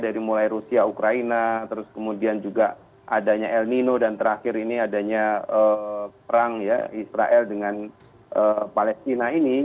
dari mulai rusia ukraina terus kemudian juga adanya el nino dan terakhir ini adanya perang ya israel dengan palestina ini